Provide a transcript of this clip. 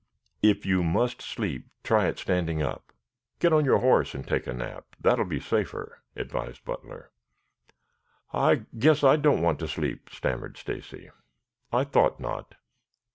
"If you must sleep, try it standing up. Get on your horse and take a nap. That will be safer," advised Butler. "I I guess I don't want to go to sleep," stammered Stacy. "I thought not.